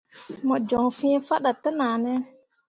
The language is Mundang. Mo joŋ fĩĩ faɗa tenahne.